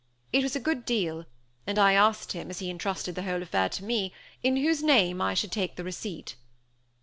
It was a good deal; and I asked him, as he entrusted the whole affair to me, in whose name I should take the receipt.